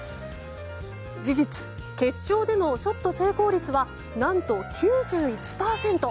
事実、決勝でのショット成功率は何と９１％。